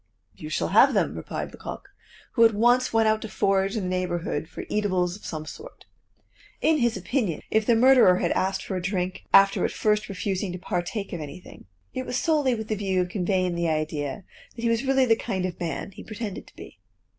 "You shall have them," replied Lecoq, who at once went out to forage in the neighborhood for eatables of some sort. In his opinion, if the murderer had asked for a drink after at first refusing to partake of anything, it was solely with the view of conveying the idea that he was really the kind of man he pretended to be.